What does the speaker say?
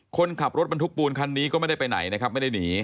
คนขับรถบรรทุกปูนคันนี้ก็ไม่ได้ไปไหนนะครับไม่ได้หนี